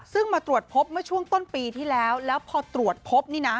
ซึ่งมาตรวจพบเมื่อช่วงต้นปีที่แล้วแล้วพอตรวจพบนี่นะ